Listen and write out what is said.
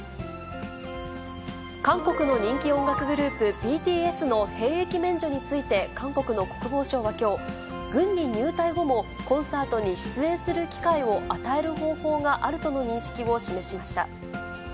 韓国の人気音楽グループ、ＢＴＳの兵役免除について、韓国の国防省はきょう、軍に入隊後もコンサートに出演する機会を与える方法があるとの認識を示しました。